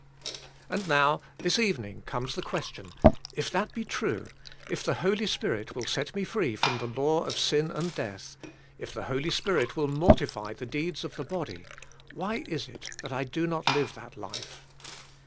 And now this evening comes the question' if that be true, if the Holy Spirit will set me free from the law of sin and death; if the Holy Spirit will mortify ^un SKLF I,IFK 43 the deeds of the body, why is it that I do not live that life?